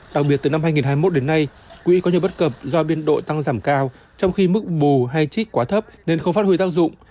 đặc biệt từ năm hai nghìn hai mươi một đến nay quỹ có nhiều bất cập do biên độ tăng giảm cao trong khi mức bù hay trích quá thấp nên không phát huy tác dụng